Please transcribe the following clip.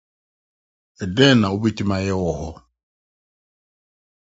Dɛn na wubetumi ayɛ wɔ ho?